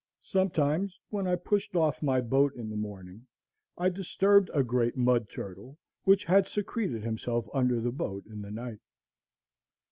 Sometimes, when I pushed off my boat in the morning, I disturbed a great mud turtle which had secreted himself under the boat in the night.